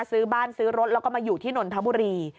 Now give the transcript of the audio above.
ซื้อบ้านซื้อรถแล้วก็มาอยู่ที่นนทบุรี